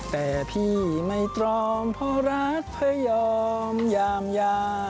แต่พี่ไม่ตรอมพอรักเผยอมยามยา